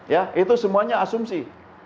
ya itu semuanya asumsi